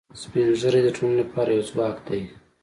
سپین ږیری د ټولنې لپاره یو ځواک دي